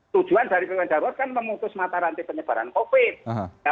tujuan dari ppkm darurat kan memutus mata rantai penyebaran covid